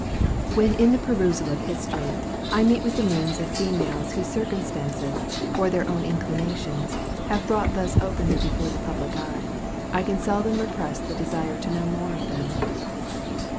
When, in the perusal of history, I meet with the names of females whom circumstances, or their own inclinations, have brought thus openly before the public eye, I can seldom repress the desire to know more of them.